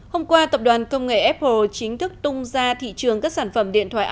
hôm qua tập đoàn công nghệ apple chính thức tung ra thị trường các sản phẩm điện thoại